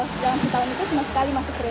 sejauh setahun itu cuma sekali masuk ke sini